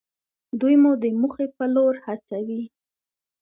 دوی مو د موخې په لور هڅوي.